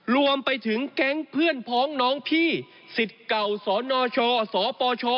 รวมไปถึงแก๊งเพื่อนพนพี่ศิษย์เก่าสนชสปช